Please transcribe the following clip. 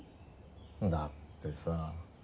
だってさ。